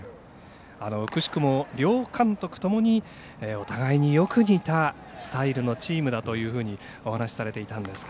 くしくも両監督ともにお互いによく似たスタイルのチームだというふうにお話されていたんですが